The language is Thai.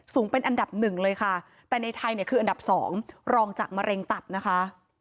เป็นอันดับหนึ่งเลยค่ะแต่ในไทยเนี่ยคืออันดับ๒รองจากมะเร็งตับนะคะ